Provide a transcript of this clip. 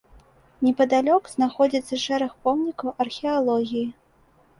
Непадалёк знаходзяцца шэраг помнікаў археалогіі.